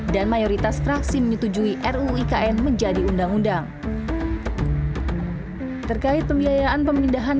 dan mayoritas fraksi menyetujui ruu ikn menjadi undang undang terkait pembiayaan pemindahan